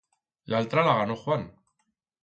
L'altra la ganó Juan.